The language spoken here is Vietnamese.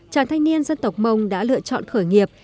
chàng thanh niên dân tộc mông đã lựa chọn khởi nghiệp